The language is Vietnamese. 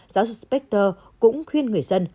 giáo dục spectre cũng khuyên người dân